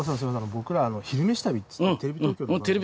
僕ら「昼めし旅」っていうテレビ東京の番組で。